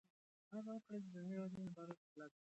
هغه هڅه وکړه د اسلامي هېوادونو باور ترلاسه کړي.